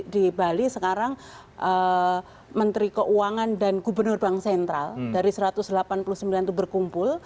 di bali sekarang menteri keuangan dan gubernur bank sentral dari satu ratus delapan puluh sembilan itu berkumpul